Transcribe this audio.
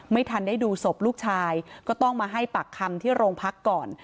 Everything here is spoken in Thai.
ไม่ทันได้ดูศพลูกชายก็ต้องมาให้ปากคำที่โรงพักก่อน